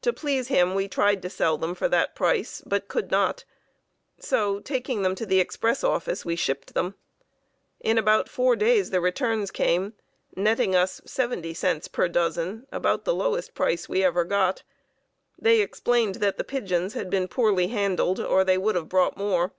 To please him we tried to sell them for that price, but could not, so, taking them to the express office, we shipped them. In about four days the returns came, netting us 70 cents per dozen, about the lowest price we ever got. They explained that the pigeons had been poorly handled or they would have brought more.